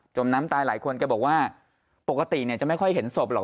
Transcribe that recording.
มน้ำตายหลายคนแกบอกว่าปกติเนี่ยจะไม่ค่อยเห็นศพหรอก